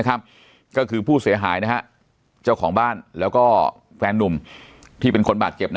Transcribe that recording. ก็คือผู้เสียหายเจ้าของบ้านแล้วก็แฟนนุ่มที่เป็นคนบาดเจ็บ